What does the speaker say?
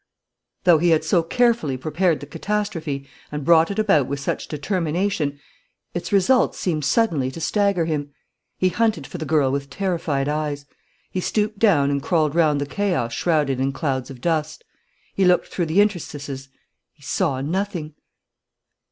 Though he had so carefully prepared the catastrophe, and brought it about with such determination, its results seemed suddenly to stagger him. He hunted for the girl with terrified eyes. He stooped down and crawled round the chaos shrouded in clouds of dust. He looked through the interstices. He saw nothing.